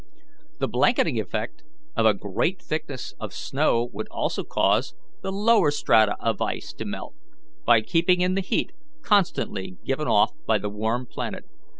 The blanketing effect of a great thickness of snow would also cause, the lower strata of ice to melt, by keeping in the heat constantly given off by the warm planet.